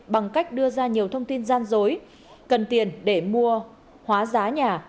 bằng cách đưa ra nhiều thông tin gian dối cần tiền để mua hóa giá nhà